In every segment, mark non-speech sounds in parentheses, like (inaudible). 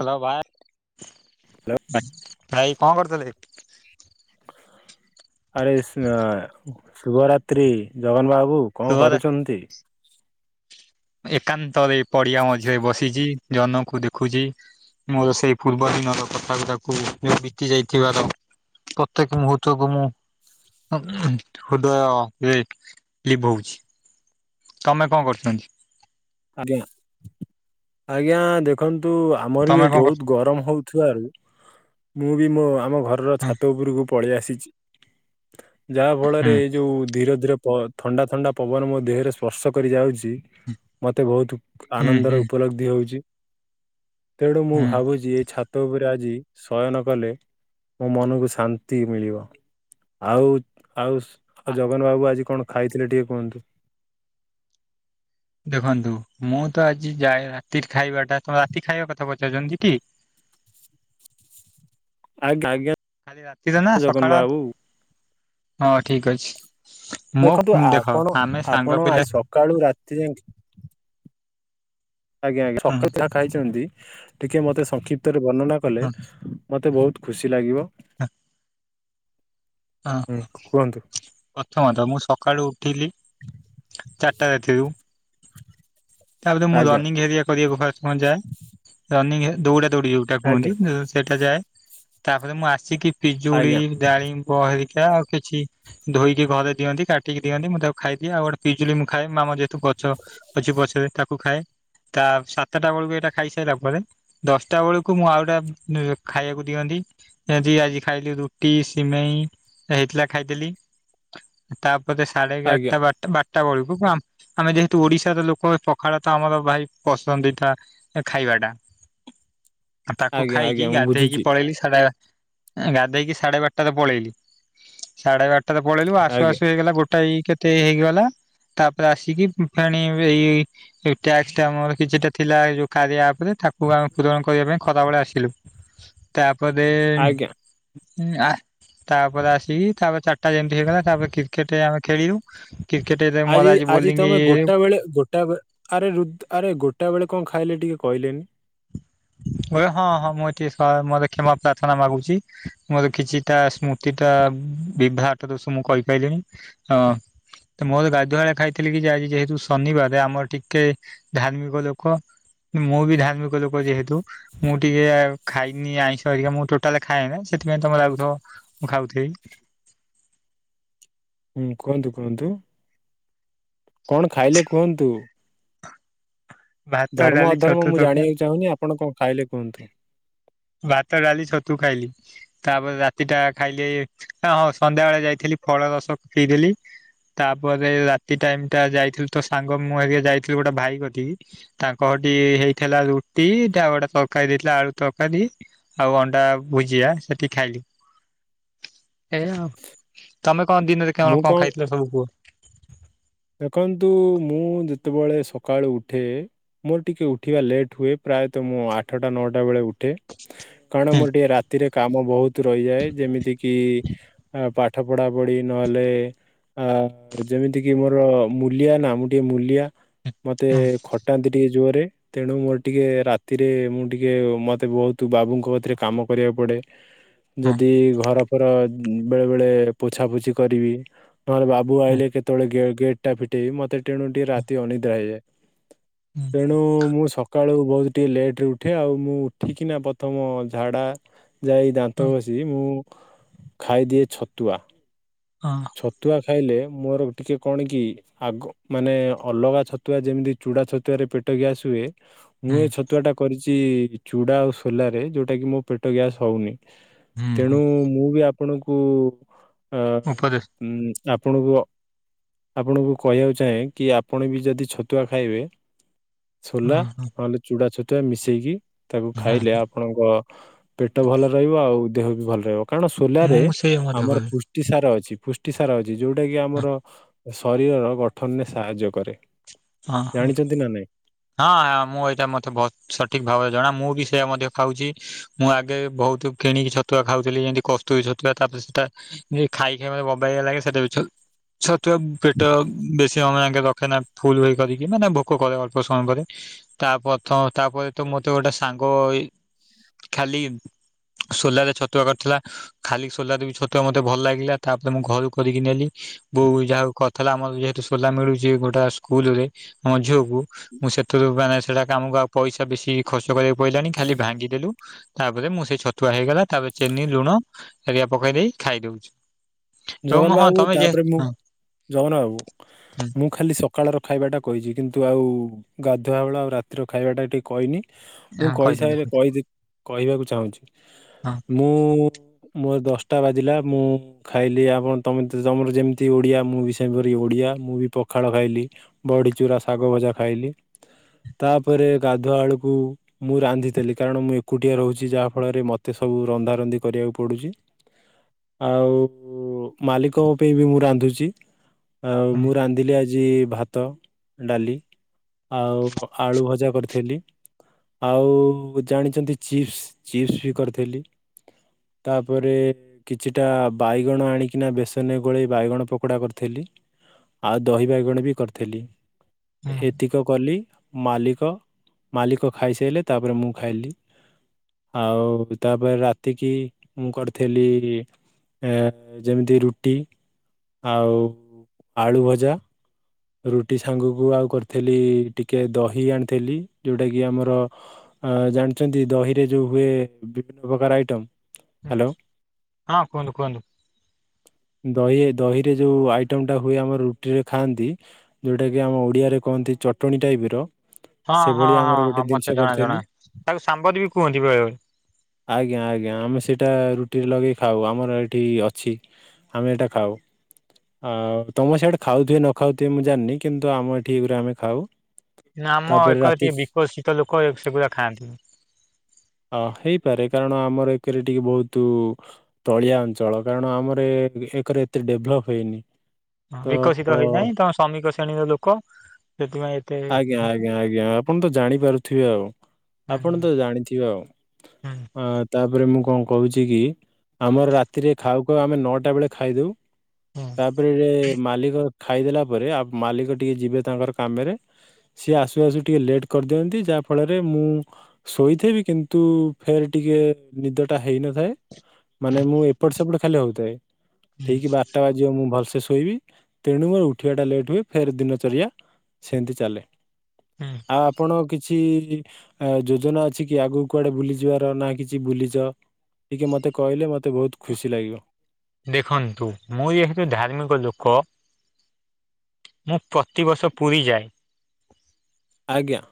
Hello ଭାଇ ଭାଇ ଭାଇ କଣ କରୁଥିଲେ? ଆରେ ସ ଶୁଭ ରାତ ତ୍ରୀ ଜଗନ୍ ବାବୁ ଶୁଭ କଣ କରୁଛନ୍ତି? ଏକାନ୍ତରେ ପଡିଆ ମଝିରେ ବସିଛି ଜହ୍ନକୁ ଦେଖୁଛି। ମୋର ସେଇ ପୂର୍ବ ଦିନର କଥା ଗୁଡାକୁ ବିତି ଯାଇଥିବାର ପ୍ରତ୍ୟେକ ମୁହୂର୍ତ୍ତକୁ ମୁଁ ହୃଦୟ ରେ ଲିଭଉଚି। ତମେ କଣ କରୁଛନ୍ତି? ଆଜ୍ଞା। ଆଜ୍ଞା ଦେଖନ୍ତୁ ଆମର ବି ତମେ ଏଠି କଣ କରୁ ବହୁତ ଗରମ ହଉ ଚୁଆରୁ ମୁଁ ବି ମୋ ଆମ ଘରର ଛାତ ଉପରକୁ ପଳେଇ ଆସିଛି। ଯାହା ଫଳରେ ହୁଁ ଏଇ ଯୋଉ ଧୀର ଧୀର ପ ଥଣ୍ଡା ଥଣ୍ଡା ପବନ ମୋ ଦେହରେ ସ୍ପର୍ଶ କରିଯାଉଛି। ମୋତେ ବହୁତ ହୁଁ ହୁଁ ଆନନ୍ଦର ଉପଲବ୍ଧି ହେଉଛି ତେଣୁ ମୁଁ ହୁଁ। ଭାବୁଛି ଏ ଛ ଛାତ ଉପରେ ଆଜି ଶୟନ କଲେ ମୋ ମନକୁ ଶାନ୍ତି ମିଳିବ। ଆଉ ଆଉସ ଆ ଅ ଜଗନ ବାବୁ ଆଜି କଣ ଖାଇଥିଲେ ଟିକେ କୁହନ୍ତୁ? ଦେଖନ୍ତୁ ମୁଁ ତ ଆଜିଯାଏ ରାତିର ଖାଇବାଟା ତମେ ରାତିଖାଇବା କଥା ପଚାରୁଛନ୍ତିଟି? ଆଗ ଆଜ୍ଞା। ଖାଲି ରାତିରେ ନା ଜଗନ ସକାଳ ବାବୁ। ହଁ ଠିକି ଅଛି। ମୋ ଦେଖନ୍ତୁ ଦେଖ ଆପଣ ଆମେ ସାଙ୍ଗ ଆପଣ ପିଲା ଆଜି ସକାଳୁ ରାତି ଯାଙ୍କେ ଆଜ୍ଞା ଅଜ୍ଞା ହଁ ସକାଳେ ଯାହା ଖାଇଛନ୍ତି ଟିକେ ମତେ ସଂକ୍ଷିପ୍ତରେ ବର୍ଣ୍ଣନା କଲେ ହଁ ମତେ ବହୁତ୍ ଖୁସି ଲାଗିବ। ହଁ ହୁଁ କୁହନ୍ତୁ (unintelligible) ହଁ ତ ମୁଁ ସକାଳୁ ଉଠିଲି ଚାରିଟା ରାତିରୁ ତାପରେ ମୁଁ ଆଜ୍ଞା ରନିଙ୍ଗ ହେରିକା କରିବାକୁ ଫାଷ୍ଟ ଯାଏ। ରନିଙ୍ଗ ଦୌଡ଼ାଦୌଡ଼ି ଯୋଉ ସେଟା ଆଜ୍ଞା କୁହନ୍ତି ସେଇଟା ଯାଏ ତାପରେ ମୁଁ ଆସିକି ପିଜୁଳି ଆଜ୍ଞା ଡାଳି ବ ହେରିକା ଆଉ କିଛି ଧୋଇକି ଘରେ ଦିଅନ୍ତି କାଟିକି ଦିଅନ୍ତି ମୁଁ ତାକୁ ଖାଇଦିଏ। ଆଉ ଗୋଟେ ପିଜୁଳି ମୁଁ ଖାଏ ଆମ ଯେହେତୁ ଗଛ ଅଛି ପଛରେ ତାକୁ ଖାଏ ତା ସାତଟା ବେଳକୁ ଏଇଟା ଖାଇସାରିଲା ପରେ ଦଶଟା ବେଳକୁ ମୁଁ ଆଉଟା ଖାଇବାକୁ ଦିଅନ୍ତି। ଆଜି ଆଜି ଖାଇଲି ରୁଟି ସିମେଇ ହେଇଥିଲା ଖାଇଦେଲି। ତାପରେ ସାଢେ ଆଜ୍ଞା ଏଗାରଟା ବାରଟା ବାରଟା ବେଳକୁ ଆମେ ଯେହେତୁ ଓଡିଶାର ଲୋକ ପ ପଖାଳତ ଆମର ଭାରି ପସନ୍ଦିତା ଖାଇବାଟା। ଆଉ ତାକୁ ଆଜ୍ଞା ଆଜ୍ଞା ଖାଇକି ମୁଁ ଗାଧେଇକି ବୁଝୁଛି ପଳେଇଲି ସାଡା ଗାଧେଇକି ସାଢେ ବାରଟାରେ ପଳେଇଲି ସାଢେ ବାରଟାରେ ପଳେଇଲି ଆସୁ ଆଜ୍ଞା ଆସୁ ହେଇଗଲା ଗୋ ଟା ଏଇ କେତେ ହେଇଗଲା ତାପରେ ଆସିକି ଫେଣି ଏଇ ଏଇ ସେ ଟାକ୍ସଟା ଆମର କିଛିଟା ଥିଲାଏ ଯେଉଁ କାରିୟା ଆପରେ ତାକୁ ଆମେ ପୂରଣ କରିବା ପାଇଁ ଖରାବେଳେ ଆସିଲୁ। ତାପରେ ଆଜ୍ଞା ତାପରେ ଆସିକି ତାପରେ ଚାରିଟା ଯେମତି ହେଇଗଲା ତାପରେ କ୍ରିକେଟ ଆମେ ଖେଳିଲୁ। କ୍ରିକେଟରେ ମୋର ଆଜି ଆଜି ବୋଲିଂ ତମେ ଗୋଟା ବେଳେ ଗୋଟା ଆରେ ରୁଦ୍ ଆରେ ଗୋଟାଏ ବେଳେ କଣ ଖାଇଲେ ଟିକେ କହିଲେନି? (unintelligible) ହଁ-ହଁ ମୁଁ ଏଠି ମୋର କ୍ଷମା ପ୍ରାର୍ଥନା ମାଗୁଛି ମୋର କିଛିଟା ସ୍ମୁ ତିଟା ବିବାହଟ ଦୋଷ ମୁଁ କହିପାଇଲିିଣିି ଅଁ ମୋର ଗାଧୁଆଳେ ଖାଇଥିଲି କି ଯେ ଆଜି ଯେହେତୁ ଶନିବାର ଆମର ଟିକେ ଧାର୍ମିକ ଲୋକ। ମୁଁ ବି ଧାର୍ମିକ ଲୋକ ଯେହେ ତୁ ମୁଁ ଟିକେ ଖାଇନି ଆଇଁଷହେରିକା ମୁଁ ଟୋଟାଲ ଖାଏନା ସେଥିପାଇଁ ତମେ ଲାଗୁଥିବ ମୁଁ ଖାଉଥିବି। ହୁଁ କୁହନ୍ତୁ କୁହନ୍ତୁ କଣ ଖାଇଲେ କୁହନ୍ତୁ? ଭାତ ଡାଲି ଧର୍ମଅଧର୍ମ ଛତୁ ମୁଁ ତରକାରୀ ଜାଣିବାକୁ ଚାହୁଁନି ଆପଣ କଣ ଖାଇଲେ କୁହନ୍ତୁ? ଭାତ ଡାଲି ଛତୁ ଖାଇଲି। ତାପରେ ରାତିଟା ଖାଇଲି ହଁ ସନ୍ଧ୍ୟାବେଳେ ଯାଇଥିଲି ଫଳରସ ପିଇଦେଲି। ତାପରେ ରାତି ଟାଇମ ଟା ଯାଇଥିଲୁ ତ ସାଙ୍ଗ ମୁଁ ହେରିକା ଯାଇଥିଲୁ ଗୋଟେ ଭାଇ କତିକି। ତାଙ୍କ ଘଠି ହେଇଥିଲା ରୁଟି ତାପରେ ଗୋଟେ ତରକାରୀ ଦେଇଥିଲା ଆଳୁ ତର କାରୀ ଆଉ ଅଣ୍ଡା ଭୁଜିଆ ସେଠି ଖାଇଲି ଏୟା ଆଉ। ତମେ କଣ ଦିନରେ ମୁଁ କଣ-କଣ କଣ ଖାଇଥିଲ ସବୁ କୁହ? ଦେଖନ୍ତୁ ମୁଁ ଯେତେବେଳେ ସକାଳୁ ଉଠେ ମୋର ଟିକେ ଉଠିବା ଲେଟ୍ ହୁଏ ପ୍ରାୟତଃ ମୁଁ ଆଠଟା ନଅଟା ବେଳେ ଉଠ ଟେ କାରଣ ମୋର ଟିକେ ରାତିରେ କାମ ବହୁତ୍ ରହିଯାଏ ଯେମିତି କିି ପାଠ ପଢା ପଢି। ନହେଲେ ଆ ଯେମିତି କିି ମୋର ମୁଲିଆ ନା ମୁଁ ଟିକେ ମୁଲିଆ ମୋତେ ଖଟାନ୍ତି ଟିକେ ଜୋରରେ ତେଣୁ ମୋର ଟିକିଏ ରାତିରେ ମୁଁ ଟିକିଏ ମୋତେ ବହୁତ ବାବୁଙ୍କ କତିରେ କାମ କରିବାକୁ ପଡ଼େ। (inaudible) ଯଦି ଘର ଫର ଉ ବେଳେ ବେଳେ ପୋଛାପୋଛି କରିବି ନହେଲେ ବା ବୁ ହୁଁ ଆଇଲେ କେତେବେଳେ ଗେ ଗେଟ ଟା ଫିଟେଇିବି ମତେ ଟେଣୁ ଟିକେ ହୁଁ ରାତି ଅନିଦ୍ରା ହେଇଯାଏ। ତେଣୁ ମୁଁ ସକାଳୁ ବହୁତ ଟିକେ ଲେଟରେ ଉଠେ ଆଉ ମୁଁ ଉଠିକିନା ପ୍ରଥମ ଝାଡ଼ା ଯାଇ ହୁଁ ଦାନ୍ତ ହୁଁ ଘସିକି ମୁଁ ଖାଇଦିଏ ଛତୁଆ। ହଁ। ଛତୁଆ ଖାଇଲେ ମୋର ଟିକିଏ କଣକି ଆଗ ମାନେ ଅଲଗା ଛତୁଆ ଯେମିତି ଚୂଡ଼ା ଛତୁଆରେ ପେଟ ଗ୍ୟାସ୍ ହୁଏ। ହୁଁ ମୁଁ ଏ ଛତୁଆଟା କରିଛି ଚୁଡା ଆଉ ସୋଲାରେ ଯେଉଁଟା କି ମୋ ପେଟ ଗ୍ୟାସ ହେଉନି ହୁଁ ତେଣୁ ହୁଁ ମୁଁ ବି ଆପଣଙ୍କୁ ଅ ଉପଦେଶ ଉ ଆପଣଙ୍କୁ ଅ ଆପଣଙ୍କୁ କହିବାକୁ ଚାହେଁ କି ଆପଣ ବି ଯଦି ଛତୁଆ ଖାଇବେ ସୋଲା ହଁ ହଁ ନହେଲେ ଚୁଡ଼ା ଛତୁଆ ମିଶେଇକି ତାକୁ ହଁ ଖାଇଲେ ଆପ ଆପଣଙ୍କ ପେଟ ଭଲ ରହିବ ଆଉ ଦେହ ବି ଭଲ ରହିବ କାରଣ ମୁଁ ସୋଲାରେ ମୁଁ ସେଇ ମଧ୍ୟ ଆମର କରେ ପ୍ରୁଷ୍ ଟି ସାର ଅଛି। ପୁଷ୍ଟିସାର ଅଛି ଯେଉଟାକି ଆମର ଶରୀରର ଗଠନରେ ସାହାଯ୍ୟ କରେ। ହଁ-ହଁ। ଜାଣିଛନ୍ତି ନା ନାଇଁ ହଁ ମୁଁ ଏଇଟା ମୋତେ ବତ୍ ସଠିକ ଭାବରେ ଜଣା ମୁଁ ବି ସେଇୟା ମଧ୍ୟ ଖାଉଛି। ମୁଁ ଆଗେ ବହୁତ କିଣିକି ଛତୁଆ ଖାଉଥିଲି ଏମିତି କସ୍ତୁରୀ ଛତୁଆ ତାପରେ ସେଟା ଏ ଖାଇ-ଖାଇ ମତେ ବବାଗିଆ ଲାଗେ ସେଟା ବି ଛଉ ଛଟୁଆ ପେଟ ବେଶୀ ଅମୟେ ଆଙ୍କେ ରଖେ ନା ଫୁଲ୍ କରିକି ମାନେ ଭୋକ କରେ ଅଳ୍ପ ସମୟ ପରେ। ତାପଥ ତାପରେ ତ ମତେ ଗୋଟେ ସାଙ୍ଗଏ ଖାଲି ସୋଲାରେ ଛତୁଆ କରିଥିଲା। ଖାଲି ସୋଲାରେ ବି ଛତୁଆ ମତେ ଭଲ ଲାଗିଲା ତାପରେ ମୁଁ ଘରୁ କରିକି ନେଲି। ବୋଉ ଯାହାକୁ କରିଥିଲା ଆମର ଯେହେତୁ ସୋଲା ମିଳୁଛି ଗୋଟା ସୋ କୁଲ ରେ ମୋ ଝିଅକୁ ମୁଁ ସେଥିରୁ ମାନେ ସେଥିରୁ ମାନେ ସେଇଟା କାମକୁ ପଇସା ବେଶୀ ଖର୍ଚ୍ଚ କରିବାକୁ ପଇଲାନି ଖାଲି ଭାଙ୍ଗିଦେଲୁ। ତାପରେ ମୁଁ ସେ ଛତୁଆ ହେଇଗଲା ତାପରେ ଚିନି ଲୁଣ ହରୀକା ପକେଇ ଦେଇକି ଖାଇଦେଉଛୁ। ଜଗନବାବୁ ତାପରେ ମୁଁ ହଁ ଜଗନବାବୁ ହଁ ମୁଁ ଖାଲି ସକାଳର ଖାଇବାଟା କହିଛି କିନ୍ତୁ ଆଉ ଗାଧୁଆ ବେଳ ଆଉ ରାତିର ଖାଇବାଟା ଟିକେ କହିନି ମୁଁ ହଁ କହିଦିଅନ୍ତୁ କହିସାରିଲେ କହିଦିଅନ୍ତୁ କହିଦି କହିବାକୁ ଚାହୁଁଛି ହଁ ମୁଁ ମୋର ଦଶଟା ବାଜିଲା ମୁଁ ଖାଇଲି ଆପଣ ତମେ ତ ତମର ଯେମିତି ଓଡ଼ିଆ ମୁଁ ବି ସେମିତି କରି ଓଡ଼ିଆ ମୁଁ ବି ପଖାଳ ଖାଇଲି। ବଡ଼ିଚୁରା ଶାଗଭଜା ଖାଇଲି ତାପରେ ଗାଧୁଆବେଳକୁ ମୁଁ ରାନ୍ଧିଥିଲି କାରଣ ମୁଁ ଏକୁଟିଆ ରହୁଛି ଯାହାଫଳରେ ମୋତେ ସବୁ ରନ୍ଧାରନ୍ଧି କରିବାକୁ ପଡ଼ୁଛି ଆଉ ମାଲିକଙ୍କ ପାଇଁ ବି ମୁଁ ରାନ୍ଧୁଛି ଆଉ ହଁ ମୁଁ ରାନ୍ଧିଲି ଆଜି ଆଜି ଭାତ, ଡାଲି ଆଉ ଆଳୁ ଭଜା କରିଥିଲି। ଆଉ ଜାଣିଛନ୍ତି ଚିପ୍ସ ଚିପ୍ସ ବି କରିଥିଲି। ତାପରେ କିଛିଟା ବାଇଗଣ ଆଣିକିନା ବେସନରେ ଗୋଳେଇ ବାଇଗଣ ପକୋଡ଼ା କରିଥିଲି। ଆଉ ଦହିବାଇଗଣ ବି କରିଥିଲି ହଁ ଏତିକ କଲି ମାଲିକ ମାଲିକ ଖାଇସାଇଲେ ତାପରେ ମୁଁ ଖାଇଲି ଆଉ ତାପରେ ରାତିକି ମୁଁ କରିଥେଲି ଏ ଯେମିତି ରୁଟି ଆଉ ଆଳୁ ଭଜା। ରୁଟି ସାଙ୍ଗକୁ ଆଉ କରିଥିଲି ଟିକେ ଦହି ଆଣିଥିଲି। ଯୋଉଟା କିି ଆମର ଜାଣିଛନ୍ତି ଦହିରେ ଯେଉଁ ହୁଏ କେତେ ପ୍ରକାରର ଆଇଟମ। ହ୍ୟାଲୋ ହଁ ହଁ କୁହନ୍ତୁ କୁହନ୍ତୁ। ଦହି ଦହିରେ ଯେଉଁ ଆଇଟମ ଟା ହୁଏ। ଆମର ରୁଟିରେ ଖାଆନ୍ତି। ଯୋଉଟାକି ଆମ ଓଡିଆରେ କୁହନ୍ତି ଚଟଣି ଟାଇପର। ହଁ ହଁ ହଁ ହଁ ମତେ ଜଣା କରିଥିଲୁ ଜଣା। ତାକୁ ସାମ୍ବର ବି କୁହନ୍ତି ବେଳେବେଳେ। ଆଜ୍ଞା ଆଜ୍ଞା ଆମେ ସେଇଟା ରୁଟିରେ ଲଗେଇ ଖାଉ ଆମର ଏଠି ଅଛି। ଆମେ ଏଇଟା ଖାଉ। ଆଉ ତମ ସିଆଡେ ଖାଉଥିବେ ନ ଖାଉଥିବେ ମୁଁ ଜାଣିନି କିନ୍ତୁ ଆମ ଏଠି ଏଇଉରା ଆମେ ଖାଉ। ନା ଆମ ତାପରେ ଏକ ରାତି ଟିକେ ବିକଶିତ ଲୋକ ସେଗୁଡା ଖାଆନ୍ତିନି। ଅ ହେଇପାରେ କାରଣ ଆମର ଏକରେ ଟିକେ ବହୁତୁ ତଳିଆ ଅଞ୍ଚଳ କାରଣ ଆମର ଏକରେ ଏତେ ଡେଭଲପ୍ ହେଇନି। ହ ତ ବିକଶିତ ହେଇନାହିଁ। ତ ଶ୍ରମିକ ଶ୍ରେଣୀର ଲୋକ। ସେଥିପାଇଁ ଏତେ ହୁଁ ଆଜ୍ଞା ଆଜ୍ଞା ଆଜ୍ଞା ଆପଣ ତ ଜାଣି ପାରୁଥିବେ ଆଉ। ହୁଁ ଆପଣ ତ ଜାଣିଥିବେ ଆଉ। ହୁଁ ହଁ। ତାପରେ ମୁଁ କଣ କହୁଛି କି? ଆମର ରାତିରେ ଖାଉ ଖାଉ ଆମେ ନଅଟା ବେଳେ ଖାଇଦଉ। ହୁଁ ତାପରେ ମାଲିକ ଖାଇଦେଲା ପରେ ଆଉ ମାଲିକ ଟିକେ ଯିବେ ତାଙ୍କର କାମରେ। ସିଏ ଆସୁ ଆସୁ ଟିକେ ଲେଟ୍ କରିଦିଅନ୍ତି। ଯାହା ଫଳରେ ମୁଁ ଶୋଇଥିବି କିନ୍ତୁ ଫେର୍ ଟିକେ ନିଦ ଟା ହେଇନଥାଏ। ମାନେ ମୁଁ ଏପଟ ସେପଟ ଖାଲି ହଉଥାଏ। ହୁଁ ଠିକ ବାରଟା ବା ଯିଅ ମୁଁ ଭଲସେ ଶୋଇବି। ତେଣୁ ମୋର ଉଠିବାଟା ଲେଟ୍ ହୁଏ। ଫେର୍ ଦିନ ଚରିଆ ସେନ୍ତି ଚାଲେ। ହୁଁ। ଆଉ ଆପଣ କିଛି ଆ ଯୋଜନା ଅଛି କି ଆଗକୁ କୁଆଡେ ବୁଲିଯିବାର ନା କିଛି ବୁଲିଚ। ଟିକେ ମୋତେ କହିଲେ ମୋତେ ବହୁତ ଖୁସି ଲାଗିବ। ଦେଖନ୍ତୁ ମୁଁ ଯେହେତୁ ଧାର୍ମିକ ଲୋକ। ମୁଁ ପ୍ରତିବର୍ଷ ପୁରୀ ଯାଏ। ଆଜ୍ଞା।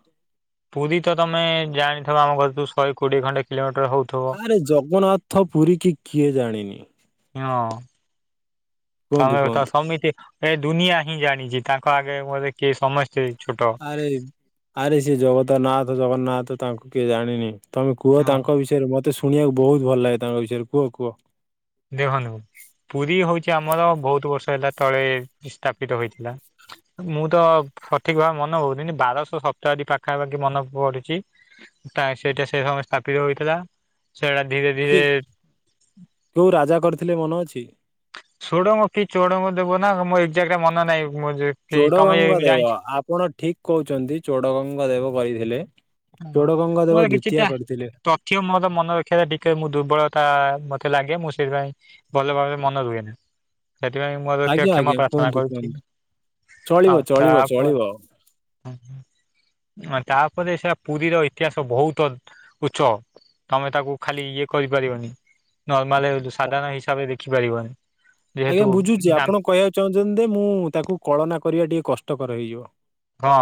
ପୁରୀ ତ ତମେ ଜାଣିଥିବ ଆମ ଘରଠୁ ଶହେ କୋଡିଏ ଖଣ୍ଡେ କିଲୋମିଟର ହଉଥୁବ। ଆରେ ଜଗନ୍ନାଥ ପୁରୀ କି କିଏ ଜାଣିନି। ହଁ କୁହନ୍ତୁ ତମେ ଏକା କୁହନ୍ତୁ ସମିତି ଏ ଦୁନିଆ ହିଁ ଜାଣିଛି। ତାଙ୍କ ଆଗେ ମୋତେ କିଏ ସମସ୍ ସେଇ ଛୋଟ ଆରେ ଆରେ ସିଏ ଜଗତନାଥ ଜଗନ୍ନାଥ ତାଙ୍କୁ କିଏ ଜାଣିନି। ତମେ କୁହ ହଁ ତାଙ୍କ ବିଷୟରେ ମୋତେ ଶୁଣିବାକୁ ବହୁତ ଭଲ ଲାଗେ ତାଙ୍କ ବିଷୟରେ କୁହ କୁହ। ଦେଖନ୍ତୁ ପୁରୀ ହଉଛି ଆମର ବହୁତ ବର୍ଷ ହେଲା ତଳେ ସ୍ଥାପିତ ହୋଇଥିଲା। ମୁଁ ତ ସଠିକ ଭାବେ ମନେ ହଉନି। ବାରଶହ ସପ୍ତାଦିରେ ପାଖାପାଖି ମନେ ପଡୁଚି। ସେଇଟା ସେ ସମୟ ସ୍ଥାପିତ ହୋଇଥିଲା। ସେଇଟା ଧୀରେ ଧୀରେ ଜୋଉ ରାଜା କରିଥିଲେ ମନ ଅଛି। ସୋଡଙ୍ଗ କି ଚୋଡଙ୍ଗ ଦେବ ନା ମୋ ଏଜାକ୍ଟ ମନେ ନାହିଁ। ମୁଁ ଯେ ଚୋଡ ଗଙ୍ଗ ଦେବ ଆପଣ ଠିକ କହୁଛନ୍ତି। ଚୋଡ ଗଙ୍ଗ ଦେବ କହିଥିଲେ। ହଁ ଚୋଡ ଗଙ୍ଗ ଦେବ ମୋର ଦ୍ଵିତୀୟ କିଛିଟା କରିଥିଲେ। ତଥ୍ୟ ମୋର ମନେ ରଖିବା ଟିକେ ମୁଁ ଦୁର୍ବଳତା ମତେ ଲାଗେ। ମୁଁ ସେଥିପାଇଁ ଭଲ ଭାବରେ ମନେ ରୁହେନି। ସେଥିପାଇଁ ମୁଁ ଆଜ୍ଞା କ୍ଷମା ଆଜ୍ଞା ପ୍ରାର୍ଥନା କୁହନ୍ତୁ କରୁଛି। କୁହନ୍ତୁ ଚଳିବ ଆଉ ଚଳିବ ତାପରେ ଚଳିବ ହଁ ହଁ ତାପରେ ସେଟା ପୁରୀର ଇତିହାସ ବହୁତ ଉଚ୍ଚ। ତମେ ତାକୁ ଖାଲି ଇଏ କରିପାରିବନି। ନର୍ମାଲେ ସାଧାରଣ ହିସାବରେ ଦେଖିପାରିବନି। ଯେହେତୁ ଆଜ୍ଞା ବୁଝୁଛି ଆପଣ କହିବାକୁ ଚାହୁଁଛନ୍ତି ଯେ ମୁଁ ତାକୁ କଳନା କରିବା ଟିକେ କଷ୍ଟକର ହେଇଯିବ। ହଁ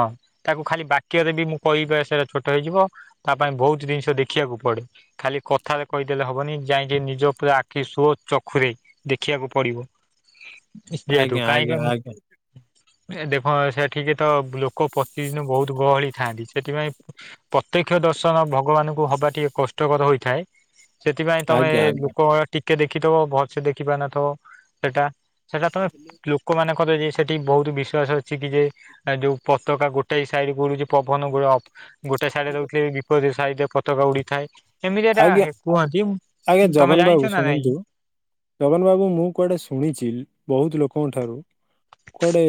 ତାକୁ ଖାଲି ବାକ୍ୟରେ ବି ମୁଁ କହିବି ସେଟା ଛୋଟ ହେଇଯିବ। ତା ପାଇଁ ବହୁତ ଜିନିଷ ଦେଖିବାକୁ ପଡେ। ଖାଲି କଥାରେ କହିଦେଲେ ହବନି ଯାଇଁ ଯିଏ ନିଜ ପୁରା ଆଖି ସ୍ଵ ଚକ୍ଷୁରେ ଦେଖିବାକୁ ପଡିବ ଯେହେତୁ ଆଜ୍ଞା କାହିଁକି ଆଜ୍ଞା ମୁଁ ଆଜ୍ଞା ଦେଭ ସେଠିକି ତ ଲୋକ ପ୍ରତିଦିନ ବହୁତ ଗହଳି ଥାନ୍ତି। ସେଥିପାଇଁ ପ୍ରତ୍ୟକ୍ଷ ଦଶ (unintelligible) ଭଗବାନଙ୍କୁ ହବା ଟିକେ କଷ୍ଟକର ହୋଇଥାଏ ସେଥିପାଇଁ ତମେ ଆଜ୍ଞା ଆଜ୍ଞା ଲୋକ ଟି କେ ଦେଖିଥିବ ଭଲସ ଦେଖି ପାର ନଥବ ସେଟା ସେଟା ତମେ ବ୍ଲୁ ଲୋକ ମାନେ କରେ ଯେ ସେଠି ବହୁତ ବିଶ୍ଵାସ ଅଛି କି ଯେ ଆ ଯୋଉ ପତାକା ଗୋଟେ ସାଇଡ ଗୁରୁଛି। ପବନ ଗୋଟେ ଗୋଟେ ସାଇଡରେ ରହୁଥିଲେ। ବି ପରି ସାଇଟିରେ ପତକା ଉଡିଥାଏ। ଏମିତି ଏଟା ଆଜ୍ଞା କୁହନ୍ତି ତମେ ଜାଣିଛ ନା ନାଇଁ। ଜଗନ୍ ବାବୁ ମୁଁ କୁଆଡେ ଶୁଣିଛି ବହୁତ ଲୋକଙ୍କ ଠାରୁ କୁଆଡ଼େ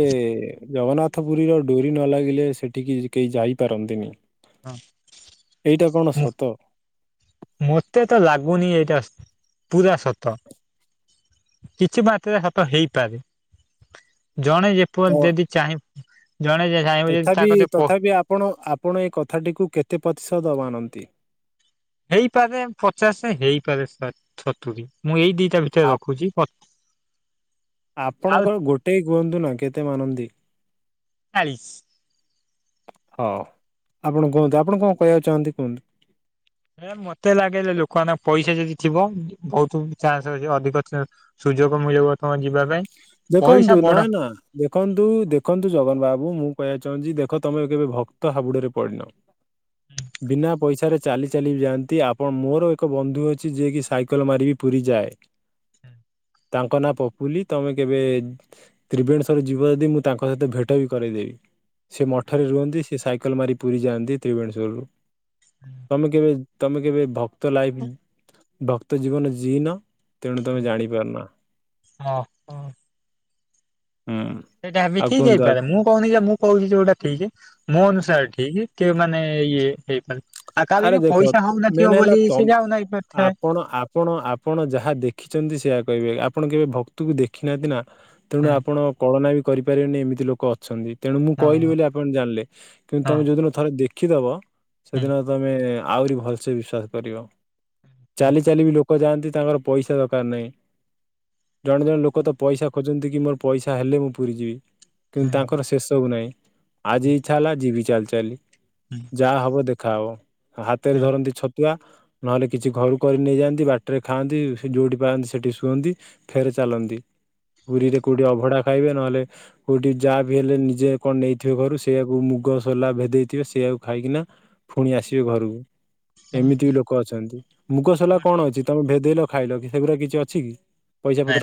ଜଗନ୍ନାଥ ପୁରୀର ଡୋରି ନ ଲାଗିଲେ ସେଠିକି କେହି ଯାଇପାରନ୍ତିନି। ହଁ। ଏଇଟା କଣ ସତ। ମତେ ତ ଲାଗୁନି ଏଇଟା ପୁରା ସତ। କିଛି ମାତ୍ରାରେ ହାତ ହେଇପାରେ। ଜଣେ ଯେ ପ ତ ଯଦି ଚାହିଁବ ଜଣେ ଚାହିଁବ ଯଦି ତା ତଥାପି କତି ପ ତଥାପି ଆପଣ ଆପଣ ଏ କଥାଟିକୁ କେତେ ପ୍ରତିଶତ ମାନନ୍ତି? ହେଇପାରେ ପଚାଶ ହେଇପାରେ ଶା ସତୁରି ମୁଁ ଏଇ ଦି ତା ଭିତରେ ଆପ ରଖୁଚି। ପ ଆଉ ଆପଣଙ୍କର ଗୋଟେ କୁହନ୍ତୁ ନା କେତେ ମାନନ୍ତି? ଚାଳିଶ। ହଁ ଆପଣ କୁହନ୍ତୁ ଆପଣ କଣ କହିବାକୁ ଚାହାଁନ୍ତି କୁହନ୍ତିୁ? ହେ ମତେ ଲାଗେ ଯେ ଲୋକମାନଙ୍କ ପଇସା ଯଦି ଥିବ ବହୁତ ଚାନ୍ସ ଅଛି ଅଧିକ ଚା ସୁଯୋଗ ମିଳି (unintelligible) ମ ଯିବା ପାଇଁ ପଇସା ଦେଖନ୍ତୁ ନା ବଡ ନା। ଦେଖନ୍ତୁ ଦେଖନ୍ତୁ ଜଗନ ବାବୁ ମୁଁ କହିବାକୁ ଚାହୁଁଛି। ଦେଖ ତମେ କେବେ ଭକ୍ତ ହାବୁଡରେ ପଡ଼ିନ। ବିନା ପଇସାରେ ଚାଲି ଚାଲି ଯାଆନ୍ତି ଆପଣ ମୋର ଏକ ବନ୍ଧୁ ଅଛି। ଯିଏକି ସାଇକେଲ ମାରିବି ପୁରୀ ଯାଏ। ତାଙ୍କ ନାଁ ପପୁଲି ତମେ କେବେ ତ୍ରିବେଣେଶ୍ଵର ଯିବ ଯଦି। ମୁଁ ତାଙ୍କ ସହିତ ଭେଟ ବି କରେଇଦେବି। ସେ ମଠରେ ରୁହନ୍ତି ସେ ସାଇକେଲ ମାରି ପୁରୀ ଯାଆନ୍ତି ତ୍ରିବେଣିଶ୍ୱରରୁ। ତମେ କେମ ତମେ କେବେ ଭକ୍ତ ଲାଇଫ ଭକ୍ତ ଜୀବନ ଜିଁଇନ ତେଣୁ ତମେ ଜାଣିପାରୁନା। ଓ ହୋ। ହୁଁ। ସେଇଟା ଏ ବି ଆଉ ଠିକ କୁହନ୍ତୁ ଆଉ ହେଇପାରେ ମୁଁ କହୁନି ଯେ ମୁଁ କହୁଛି ଯୋଉଟା ଠିକ ମୋ ଅନୁସାରେ ଠିକ କିଏ ମାନେ ଇଏ ହେଇପାରେ ଆଉ କାଲି ଆରେ ବି ଦେଖ ପଇସା ମେନ୍ ହଉନଥିବ ହେଲା ବୋଲି ତ ସେ ଯାଉନାହିଁ ଥାଏ। ଆପଣ ଆପଣ ଆପଣ ଯାହା ଦେଖିଛନ୍ତି ସେଆ କହିବେ ଆପଣ କେବେ ଭକ୍ତକୁ ଦେଖି ନାହାନ୍ତି ନା ତେଣୁ ହଁ ଆପଣ କଳନା ବି କରିପାରିବେନି ଏମିତି ଲୋକ ଅଛନ୍ତି। ତେଣୁ ମୁଁ କହିଲି ହଁ ବୋଲି ଆପଣ ଜାଣିଲେ କିନ୍ତୁ ତମେ ହଁ ଯୋଉଦିନ ଥରେ ଦେଖିଦବ ସେଦିନ ଏ ଆହୁରି ଭଲସେ ବିଶ୍ଵାସ କରିବ। ଚାଲି ଚାଲି ବି ଲୋକ ଯାଆନ୍ତି ତାଙ୍କର ପଇସା ଦରକାର ନାହିଁ। ଜଣେ ଜଣେ ଲୋକ ତ ପଇସା ଖୋଜନ୍ତି କି ମୋର ପଇସା ହେଲେ ମୁଁ ପୁରୀ ଯିବି। ହଁ କିନ୍ତୁ ହଁ ତାଙ୍କର ସେ ସବୁ ନାହିଁ। ଆଜି ଇଛା ହେଲା ଯିବି ଚାଲି ଚାଲି। ଯାହା ହବ ଦେଖାହବ ହାତରେ ହଁ ଧରନ୍ତି ଛତ ତୁଆ ନହେଲେ କିଛି ଘରୁ କରି ନେଇଯାଆନ୍ତି ବାଟେରେ ଖାଆନ୍ତି ସେ ଯୋଉଠି ପାଆନ୍ତି ସେଠି ଶୁଅନ୍ତି। ଫେର ଚାଲନ୍ତି ପୁରୀରେ କୋଉଠି ଅଭଡା ଖାଇବେ ନହେଲେ କେଉଁଠି ଯାହା ବିି ହେଲେ ନିଜେ କଣ ନେଇଥିବେ ଘରୁ ସେଇଆକୁ ମୁଗ ସୋଲା ଭେଦେଇଥିବେ ସେଇଆକୁ ଖାଇକିନା ଫୁଣି ଆସିବେ ଘରକୁ ହଁ ଏମିତି ବି ଠିକ। ଲୋକ ଅଛନ୍ତି ମୁଗ ସଲା ହଁ କଣ ଠିକ ଅଛି? ତମେ ଭେଦେଇଲ ଖାଇଲଗି ସେଗୁରା କିଛି ଅଛି କି ପଇସା ନାଇଁ ପତର